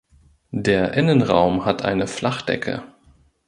Der Innenraum hat eine Flachdecke.